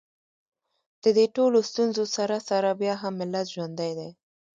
د دې ټولو ستونزو سره سره بیا هم ملت ژوندی دی